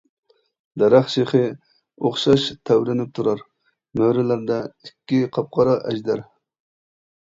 دەرەخ شېخى ئوخشاش تەۋرىنىپ تۇرار، مۈرىلەردە ئىككى قاپقارا ئەجدەر.